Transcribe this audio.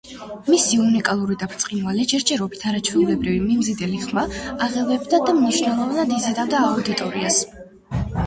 მისი უნიკალური და ბრწყინვალე, ჯერჯერობით არაჩვეულებრივი, მიმზიდველი ხმა აღელვებდა და მნიშვნელოვნად იზიდავდა აუდიტორიას.